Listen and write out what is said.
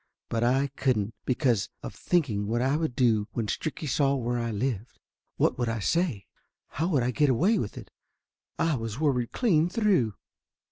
But I couldn't, because of thinking what would I do when Stricky saw where I lived ? What would I say ? How would I get away with it? I was worried clean through.